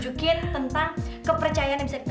coba aku yang presentasi sama dapet kepercayaan dari mereka